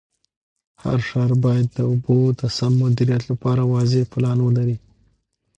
هر ښار باید د اوبو د سم مدیریت لپاره واضح پلان ولري.